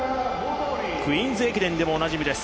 クイーンズ駅伝でもおなじみです